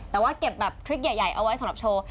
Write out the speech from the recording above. แต่ว่าเก็บแบบทริคใหญ่เอาไว้สำหรับโชว์